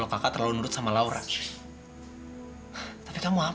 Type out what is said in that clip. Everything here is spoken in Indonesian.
gak terlalu sayang sama rangga